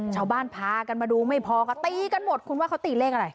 ชาวบ้านพากันมาดูไม่พอค่ะตีกันหมดคุณว่าเขาตีเลขอะไร